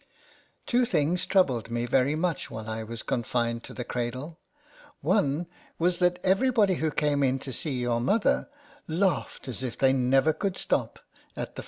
Two things troubled me very much while I was confined to the cradle : one was that everybody who came in to see your mother laughed as if they never could stop, at the 8o LETTERS FROM A CAT.